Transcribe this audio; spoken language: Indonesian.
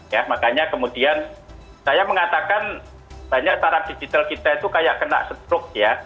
ya makanya kemudian saya mengatakan banyak taraf digital kita itu kayak kena stroke ya